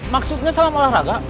maksudnya salam olahraga